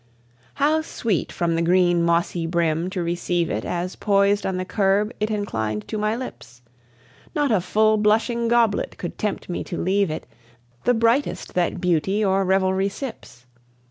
How sweet from the green mossy brim to receive it As poised on the curb it inclined to my lips! Not a full blushing goblet could tempt me to leave it, The brightest that beauty or revelry sips.